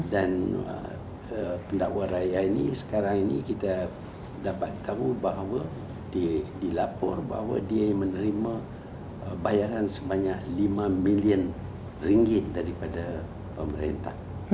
dan pendakwa raya ini sekarang ini kita dapat tahu bahwa dilapor bahwa dia menerima bayaran sebanyak lima miliar ringgit daripada pemerintah